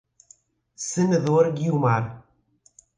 Senador Guiomard